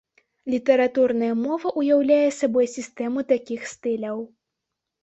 Літаратурная мова уяўляе сабой сістэму такіх стыляў.